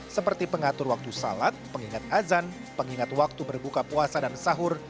seperti pengatur waktu salat pengingat azan pengingat waktu berbuka puasa dan sahur